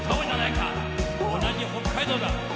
同じ北海道だ。